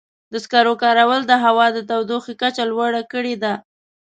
د سکرو کارول د هوا د تودوخې کچه لوړه کړې ده.